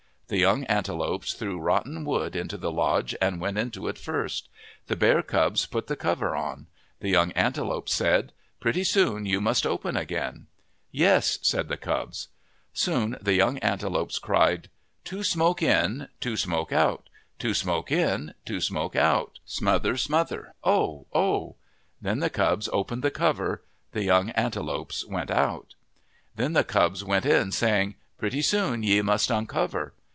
The young antelopes threw rotten wood into the lodge, and went into it first. The bear cubs put the cover on. The young antelopes said, " Pretty soon you must open again." "Yes," said the cubs. Soon the young antelopes cried: " Two smoke in, two smoke out ; two smoke in, two smoke out, ... 135 MYTHS AND LEGENDS smother, smother; oh ! oh !' Then the cubs opened the cover. The young antelopes went out. Then the cubs went in, saying, " Pretty soon ye must uncover."